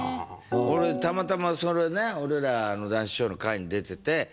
たまたまそれね俺ら談志師匠の回に出てて。